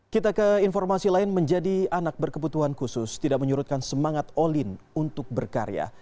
kita ke informasi lain menjadi anak berkebutuhan khusus tidak menyurutkan semangat olin untuk berkarya